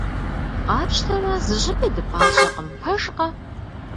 Къапщтэмэ, зыщӀыпӀи дыпӀащӀэкъым, пэжкъэ?!